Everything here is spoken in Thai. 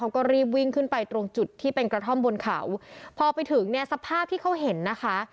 เขาก็รีบวิ่งขึ้นไปตรงจุดที่เป็นกระท่อมบนเขาพอไปถึงเนี่ยสภาพที่เขาเห็นนะคะ